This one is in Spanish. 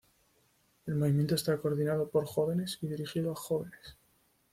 El movimiento está coordinado por jóvenes y dirigido a jóvenes.